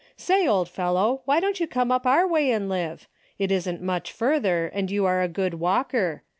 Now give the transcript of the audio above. Say, old fellow, why don't you come up our way and live ? It isn't much further, and you are a good walker.